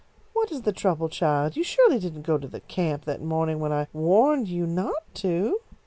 "What is the trouble, child? You surely didn't go to the camp that morning when I warned you not to?"